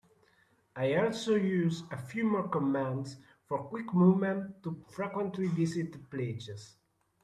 I also use a few more commands for quick movement to frequently visited places.